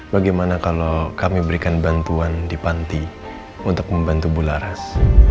bagaimana kalau kami berikan bantuan di panti untuk membantu bularas